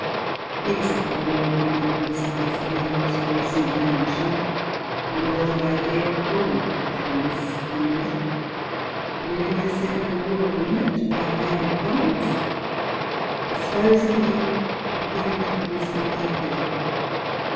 These are, O Lord, the humble desires of my most reasonable ambition, and all I dare call happiness on earth; wherein I set no rule or limit to thy Hand or Providence; dispose of me according to the wisdom of thy pleasure.